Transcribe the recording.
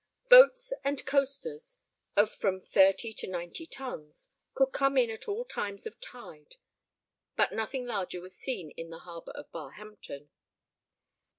Boats and coasters, of from thirty to ninety tons, could come in at all times of tide, but nothing larger was seen in the harbour of Barhampton.